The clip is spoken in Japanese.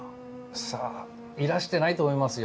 さあいらしてないと思いますよ。